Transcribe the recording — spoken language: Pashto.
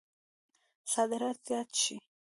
صادرات زیات شي.